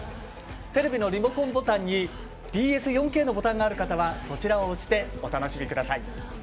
テレビのリモコンボタンにＢＳ４Ｋのボタンがある方はそちらを押してお楽しみください。